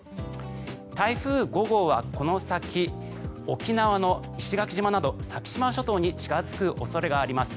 台風５号はこの先沖縄の石垣島など先島諸島に近付く恐れがあります。